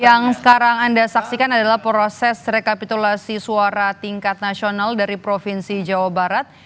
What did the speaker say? yang sekarang anda saksikan adalah proses rekapitulasi suara tingkat nasional dari provinsi jawa barat